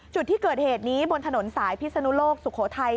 จุดที่เกิดเหตุนี้บนถนนสายพิศนุโลกสุโขทัย